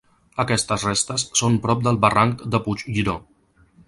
Aquestes restes són prop del barranc de Puig Lliró.